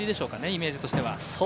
イメージとしては。